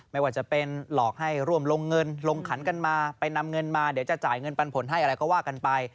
ไม่ว่าจะเป็นหลอกให้ร่วมลงเงินลงขันกันมาไปนำเงินมาเดี๋ยวจะจ่ายเงินปันผลให้อะไรก็ว่ากันไป